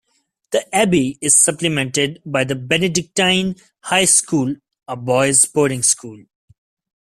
The abbey is supplemented by the Benedictine High School, a boys' boarding school.